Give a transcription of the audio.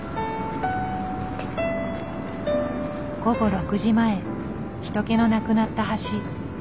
午後６時前人けのなくなった橋。